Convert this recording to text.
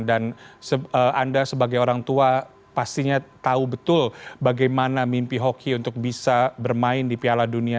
dan anda sebagai orang tua pastinya tahu betul bagaimana mimpi hoki untuk bisa bermain di piala dunia